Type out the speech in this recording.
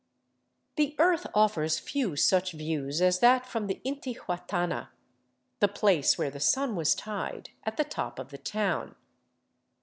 The earth offers few such views as that from the intihuatana, the " place where the sun was tied," at the top of the town.